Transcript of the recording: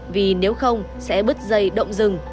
vì nếu không sẽ bứt dây động rừng